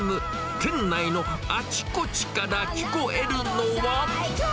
店内のあちこちから聞こえるのは。